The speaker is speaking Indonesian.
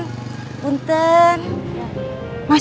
saya doakan biar cepet cepet ngomongan